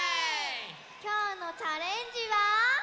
きょうのチャレンジは。